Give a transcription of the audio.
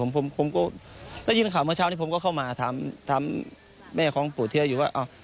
ผมก็ได้ยินข่าวเมื่อเช้านี้ผมก็เข้ามาถามแม่ของปู่เทียอยู่ว่า